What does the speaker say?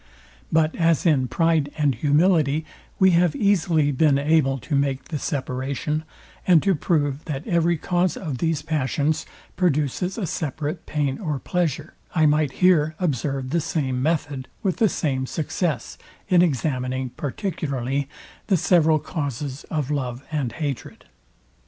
But as in pride and humility, we have easily been able to make the separation, and to prove, that every cause of these passions, produces a separate pain or pleasure, I might here observe the same method with the same success, in examining particularly the several causes of love and hatred.